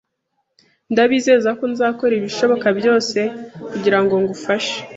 Ndabizeza ko nzakora ibishoboka byose kugirango ngufashe